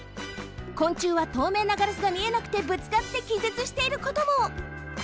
昆虫はとうめいなガラスが見えなくてぶつかってきぜつしていることも！